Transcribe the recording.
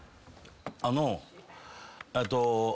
あのえっと。